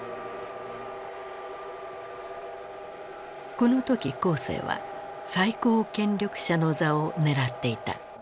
この時江青は最高権力者の座を狙っていた。